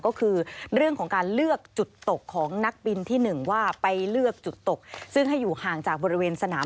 ก็คือเรื่องของการเลือกจุดตกของนักบินที่๑ว่าไปเลือกจุดตกซึ่งให้อยู่ห่างจากบริเวณสนาม